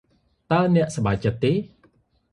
តើអ្នកសប្បាយចិត្តទេ?